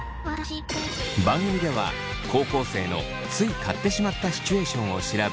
番組では高校生のつい買ってしまったシチュエーションを調べ